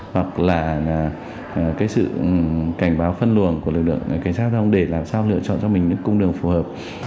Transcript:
hoặc là cái sự cảnh báo phân luồng của lực lượng cảnh sát giao thông để làm sao lựa chọn cho mình những cung đường phù hợp